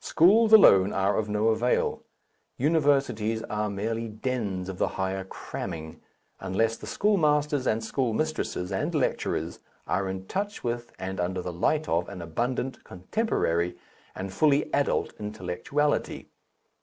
Schools alone are of no avail, universities are merely dens of the higher cramming, unless the schoolmasters and schoolmistresses and lecturers are in touch with and under the light of an abundant, contemporary, and fully adult intellectuality.